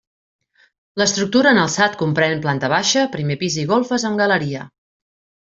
L'estructura en alçat comprèn planta baixa, primer pis i golfes amb galeria.